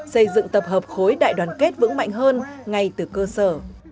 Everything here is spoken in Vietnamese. xây dựng tập hợp khối đại đoàn kết vững mạnh hơn ngay từ cơ sở